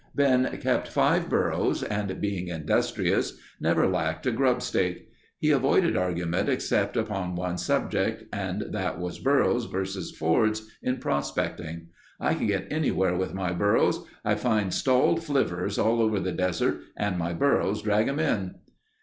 Ben kept five burros and being industrious, never lacked a grubstake. He avoided argument except upon one subject, and that was burros versus Fords in prospecting. "I can get anywhere with my burros. I find stalled flivvers all over the desert and my burros drag 'em in."